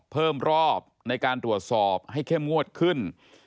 เพิ่มรอบในการตรวจสอบให้เข้มงวดขึ้น